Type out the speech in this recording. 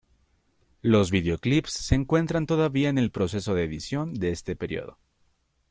Los video clips se encuentran todavía en el proceso de edición de este período.